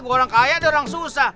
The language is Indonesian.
gue orang kaya dia orang susah